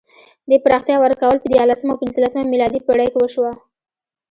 دې پراختیا ورکول په دیارلسمه او پنځلسمه میلادي پېړۍ کې وشوه.